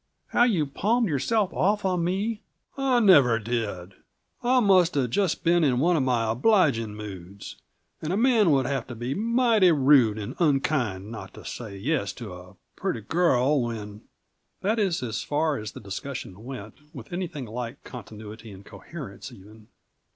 How you palmed yourself off on me " "I never did! I must have just been in one of my obliging moods; and a man would have to be mighty rude and unkind not to say yes to a pretty girl when " That is as far as the discussion went, with anything like continuity or coherence even.